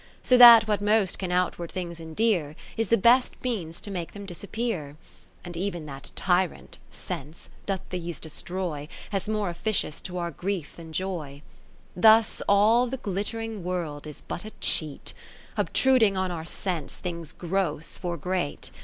So that what most can outward things endear, Is the best means to make them disappear : And even that Tyrant (Sense) doth these destroy. As more officious to our grief than joy. 30 Thus all the glittering World is but a cheat. Obtruding on our sense things gross for great.